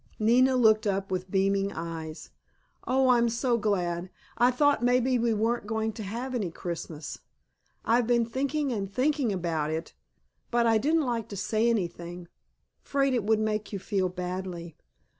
Nina looked up with beaming eyes. "Oh, I'm so glad! I thought maybe we weren't going to have any Christmas. I've been thinking and thinking about it, but I didn't like to say anything, 'fraid it would make you feel badly."